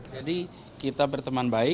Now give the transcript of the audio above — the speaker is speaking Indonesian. jadi kita berteman